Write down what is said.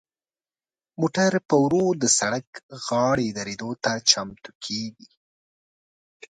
موټر په ورو د سړک غاړې دریدو ته چمتو کیږي.